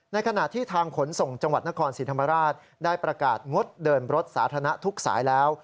ขณะที่ทางขนส่งจังหวัดนครศรีธรรมราชได้ประกาศงดเดินรถสาธารณะทุกสายแล้ว